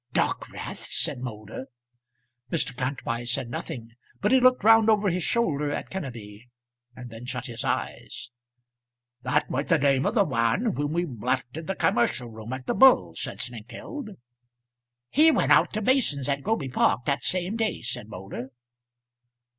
"Dockwrath!" said Moulder. Mr. Kantwise said nothing, but he looked round over his shoulder at Kenneby, and then shut his eyes. "That was the name of the man whom we left in the commercial room at the Bull," said Snengkeld. "He went out to Mason's at Groby Park that same day," said Moulder.